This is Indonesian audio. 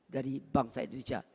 dari bangsa indonesia